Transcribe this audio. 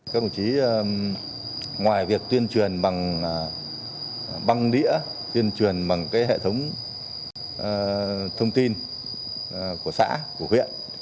các đồng chí ngoài việc tuyên truyền bằng băng đĩa tuyên truyền bằng hệ thống thông tin của xã của huyện